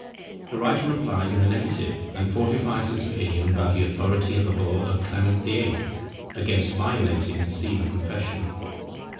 The writer replies in the negative, and fortifies his opinion by the authority of a bull of Clement VIII., against violating the seal of confession.